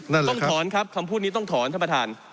นั่นแหละครับต้องถอนครับคำพูดนี้ต้องถอนท่านประธาน